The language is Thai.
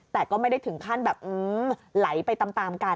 แต่ก็ไม่ได้ถึงขั้นแบบไหลไปตามกัน